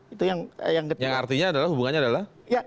itu yang artinya adalah hubungannya adalah ketika bukan pihak